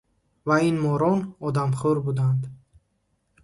Ва ин морон одамхӯр буданд.